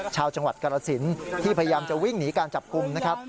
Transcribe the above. ชาวจังหวัดกรสินที่พยายามจะวิ่งหนีการจับกลุ่มนะครับ